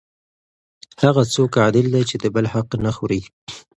هغه څوک عادل دی چې د بل حق نه خوري.